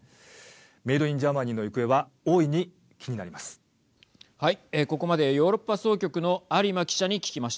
メイドインジャーマニーの行方は大いに気になります。